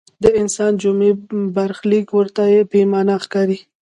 د انسان جمعي برخلیک ورته بې معنا ښکاري.